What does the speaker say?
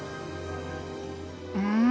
うん！